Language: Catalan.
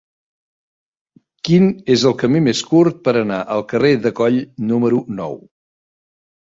Quin és el camí més curt per anar al carrer de Coll número nou?